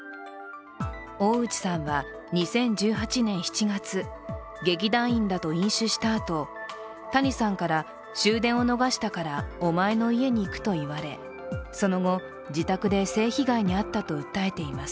大内さんは２０１８年７月劇団員らと飲酒したあと谷さんから終電を逃したからお前の家に行くと言われ、その後、自宅で性被害に遭ったと訴えています。